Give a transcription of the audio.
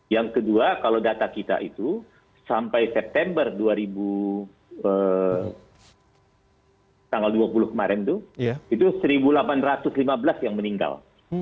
yang kedua kalau data kita itu sampai september dua puluh kemarin itu itu satu delapan ratus lima belas yang meninggal